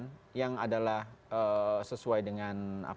apakah tanggal tujuh belas april anda akan pergi berlibur atau anda akan mencoblos